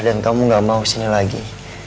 dan kamu gak mau sini lagi